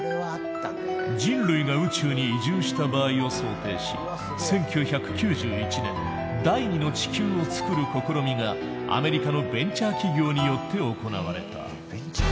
人類が宇宙に移住した場合を想定し１９９１年第２の地球をつくる試みがアメリカのベンチャー企業によって行われた。